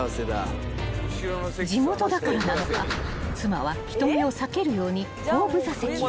［地元だからなのか妻は人目を避けるように後部座席へ］